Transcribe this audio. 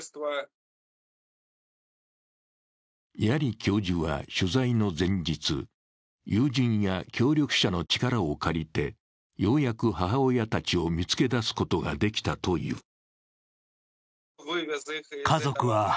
ヤリ教授は取材の前日、友人や協力者の力を借りて、ようやく母親たちを見つけ出すことができたという。